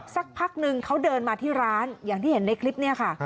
สักพักนึงเขาเดินมาที่ร้านอย่างที่เห็นในคลิปนี้ค่ะ